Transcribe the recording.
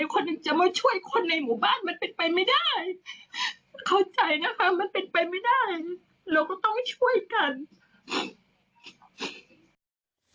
เราก็ต้องช่วยกัน